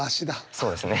そうですね。